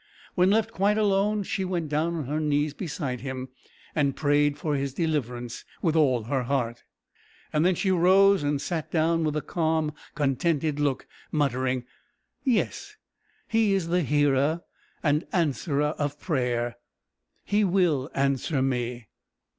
When left quite alone, she went down on her knees beside him, and prayed for his deliverance with all her heart. Then she rose and sat down with a calm, contented look, muttering, "Yes; He is the hearer and answerer of prayer. He will answer me."